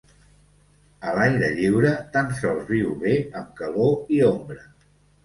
A l'aire lliure tan sols viu bé amb calor i ombra.